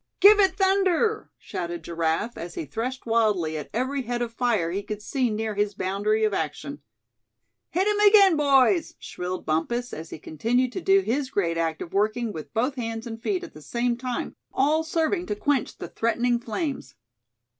"Give it thunder!" shouted Giraffe, as he threshed wildly at every head of fire he could see near his boundary of action. "Hit him again, boys!" shrilled Bumpus, as he continued to do his great act of working with both hands and feet at the same time, all serving to quench the threatening flames.